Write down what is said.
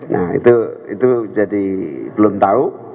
nah itu jadi belum tahu